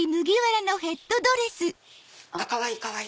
かわいいかわいい！